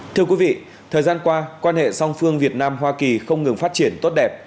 thưa quý vị thời gian qua quan hệ song phương việt nam hoa kỳ không ngừng phát triển tốt đẹp